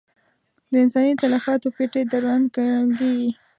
د انساني تلفاتو پېټی دروند ګڼل کېږي.